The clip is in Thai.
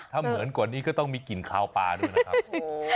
ถ้าเหมือนกว่านี้ก็ต้องมีกลิ่นคาวปลาด้วยนะครับ